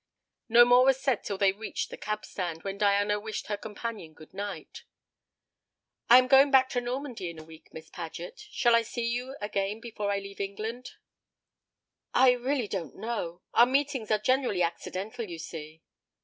No more was said till they reached the cab stand, when Diana wished her companion good night. "I am going back to Normandy in a week, Miss Paget; shall I see you again before I leave England?" "I really don't know; our meetings are generally accidental, you see."